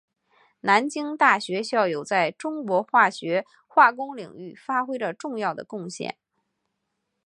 南京大学校友在中国化学化工领域发挥着重要的贡献。